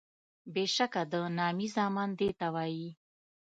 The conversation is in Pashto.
بیشکه د نامي زامن دیته وایي